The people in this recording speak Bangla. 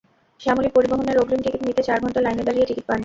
শ্যামলী পরিবহনের অগ্রিম টিকিট নিতে চার ঘণ্টা লাইনে দাঁড়িয়ে টিকিট পাননি।